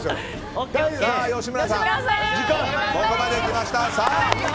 ここまできました。